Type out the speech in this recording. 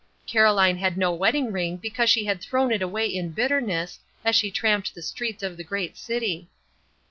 Caroline had no wedding ring because she had thrown it away in bitterness, as she tramped the streets of the great city.